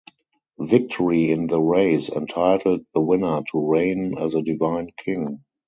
Victory in the race entitled the winner to reign as a divine king.